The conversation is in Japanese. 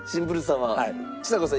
ちさ子さん